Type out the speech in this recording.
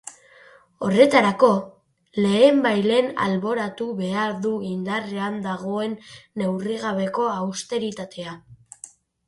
Horretarako, lehenbailehen alboratu behar du indarrean dagoen neurrigabeko austeritatea.